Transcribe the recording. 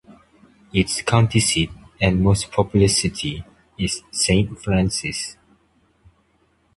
Its county seat and most populous city is Saint Francis.